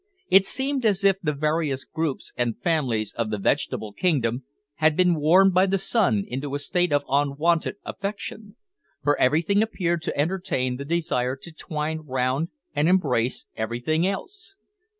It seemed as if the various groups and families of the vegetable kingdom had been warmed by the sun into a state of unwonted affection, for everything appeared to entertain the desire to twine round and embrace everything else.